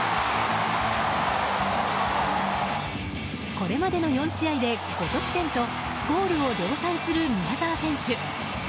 これまでの４試合で５得点とゴールを量産する宮澤選手。